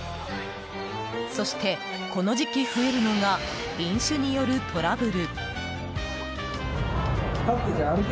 そして、この時期増えるのが飲酒によるトラブル。